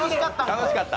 楽しかった。